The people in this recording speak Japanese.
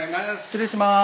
失礼します。